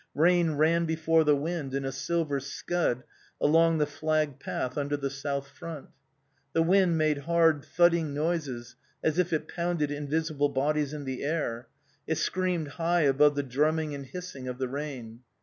Rain ran before the wind in a silver scud along the flagged path under the south front. The wind made hard, thudding noises as if it pounded invisible bodies in the air. It screamed high above the drumming and hissing of the rain.